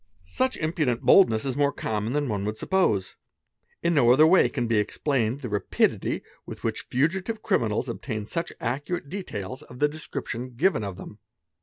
'_ Such impudent boldness is more common than one would suppose : in no other way can be explained the rapidity with which fugitive crimi ~ nals obtain such accurate details of the description given of them.